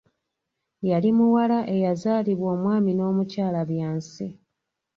Yali muwala eyazaalibwa omwami n'omukyala Byansi.